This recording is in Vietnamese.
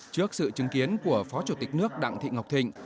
trước sự chứng kiến của phó chủ tịch nước đặng thị ngọc thịnh